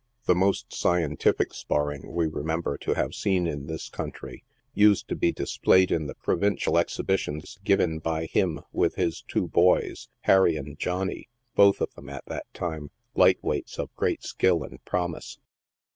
The most scientific spar ring we remember to have seen in this country, used to be displayed in the provincial exhibitions given by him with his two boys, Harry and Johnny, both of them, at that time, light weights of great skill and promise.